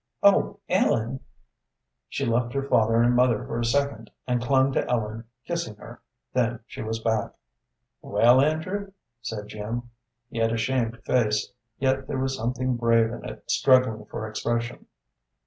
"Oh, Ellen!" She left her father and mother for a second and clung to Ellen, kissing her; then she was back. "Well, Andrew?" said Jim. He had a shamed face, yet there was something brave in it struggling for expression.